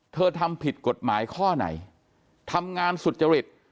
ทำผิดกฎหมายข้อไหนทำงานสุจริต